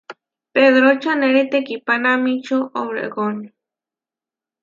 Pedró čanére tekihpana-míčio obregón.